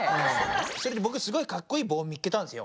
それでぼくすごいかっこいい棒を見つけたんですよ。